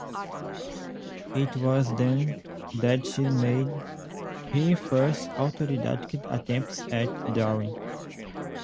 It was then that she made her first autodidactic attempts at drawing.